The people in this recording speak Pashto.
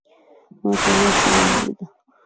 ما پرون فلم ولید.